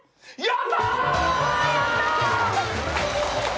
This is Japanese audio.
やった！